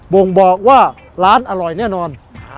บ่งบอกว่าร้านอร่อยแน่นอน